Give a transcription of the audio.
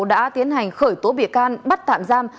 đã tiến hành khởi tố bịa can bắt tạm giam